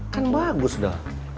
kan bagus doh